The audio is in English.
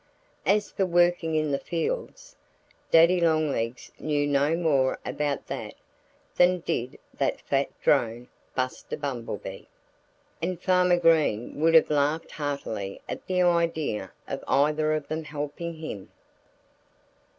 As for working in the fields, Daddy Longlegs knew no more about that than did that fat drone, Buster Bumblebee. And Farmer Green would have laughed heartily at the idea of either of them helping him.